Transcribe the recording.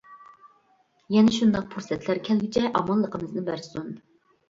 يەنە شۇنداق پۇرسەتلەر كەلگۈچە ئامانلىقىمىزنى بەرسۇن!